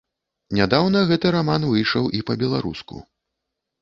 Нядаўна гэты раман выйшаў і па-беларуску.